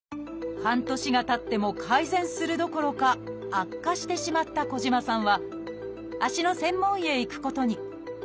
半年がたっても改善するどころか悪化してしまった児島さんは足の専門医へ行くことに。